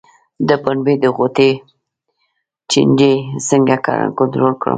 د پنبې د غوټې چینجی څنګه کنټرول کړم؟